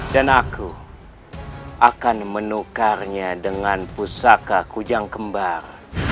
dan aku akan menukarnya dengan pusaka kujang kembar